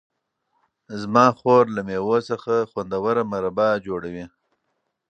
زما خور له مېوو څخه خوندور مربا جوړوي.